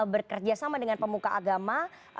berkerjasama dengan pemuka agama